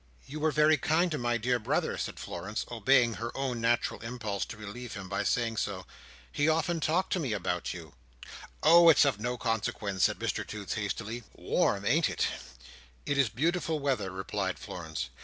"You were very kind to my dear brother," said Florence, obeying her own natural impulse to relieve him by saying so. "He often talked to me about you." "Oh it's of no consequence," said Mr Toots hastily. "Warm, ain't it?" "It is beautiful weather," replied Florence.